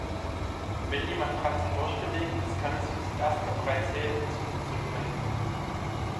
Wenn die Matratze durchgelegen ist, kann es fürs Erste bereits helfen, sie umzudrehen.